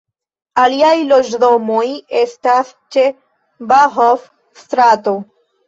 Aliaj loĝdomoj estas ĉe Bahnhof-strato.